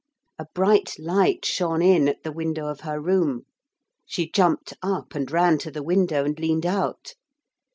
A bright light shone in at the window of her room. She jumped up and ran to the window and leaned out.